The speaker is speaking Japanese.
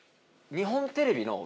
日本テレビの。